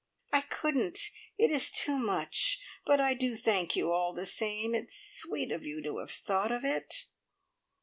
"I couldn't! It is too much. But I do thank you all the same. It's sweet of you to have thought of it!"